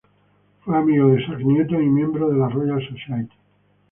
Fue amigo de Isaac Newton y miembro de la Royal Society.